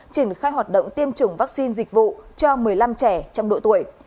triển khai hoạt động tiêm chủng vaccine dịch vụ cho một mươi năm trẻ trong độ tuổi